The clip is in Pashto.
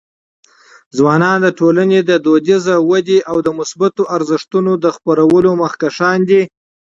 ځوانان د ټولنې د فرهنګي ودي او د مثبتو ارزښتونو د خپرولو مخکښان دي.